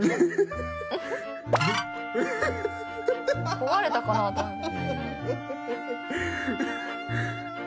壊れたかな？と思って。